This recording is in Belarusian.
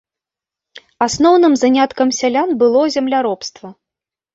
Асноўным заняткам сялян было земляробства.